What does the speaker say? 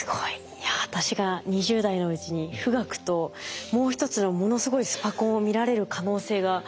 いや私が２０代のうちに富岳ともう一つのものすごいスパコンを見られる可能性があるんだって思うと。